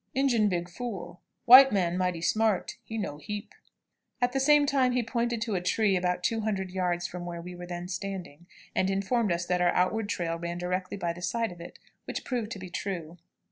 Injun big fool. White man mighty smart; he know heap." At the same time he pointed to a tree about two hundred yards from where we were then standing, and informed us that our outward trail ran directly by the side of it, which proved to be true.